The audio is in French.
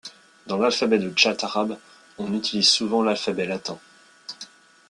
Dans l’alphabet de tchat arabe, on utilise souvent l'alphabet latin.